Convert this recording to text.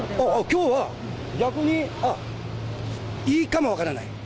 きょうは逆にいいかも分からない。